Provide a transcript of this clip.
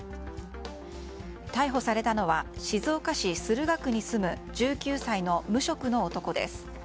逮捕されたのは静岡市駿河区に住む１９歳の無職の男です。